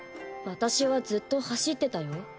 私はずっと走ってたよ。